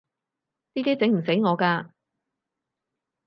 呢啲整唔死我㗎